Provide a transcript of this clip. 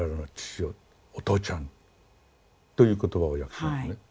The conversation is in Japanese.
「おとうちゃん」という言葉を訳したんですね。